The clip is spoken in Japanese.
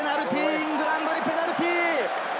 イングランドにペナルティー。